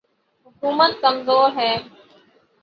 حکومت کمزور ہے۔